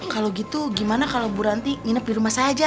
kalau gitu gimana kalau bu ranti nginep di rumah saja